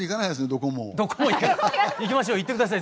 どこも行かない行きましょう行って下さい。